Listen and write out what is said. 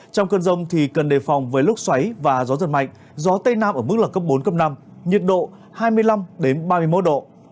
trong cơn rông thì cần đề phòng với lúc xoáy và gió giật mạnh gió tây nam ở mức là cấp bốn cấp năm nhiệt độ hai mươi năm ba mươi một độ